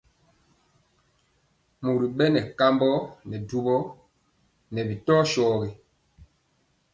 Mori bɛnɛ kambɔ ŋɛɛ dubɔ bi tɔ shogi.